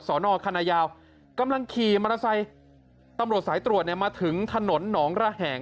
สอนอคณะยาวกำลังขี่มอเตอร์ไซค์ตำรวจสายตรวจเนี่ยมาถึงถนนหนองระแหง